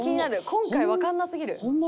今回わからなすぎる。